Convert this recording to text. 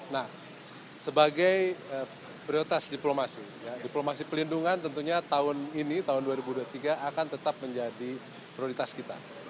nah sebagai prioritas diplomasi diplomasi pelindungan tentunya tahun ini tahun dua ribu dua puluh tiga akan tetap menjadi prioritas kita